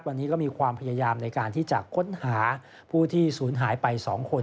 วันนี้ก็มีความพยายามในการที่จะค้นหาผู้ที่ศูนย์หายไป๒คน